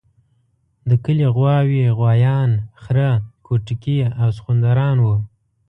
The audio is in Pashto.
د کلي غواوې، غوایان، خره کوټکي او سخوندران وو.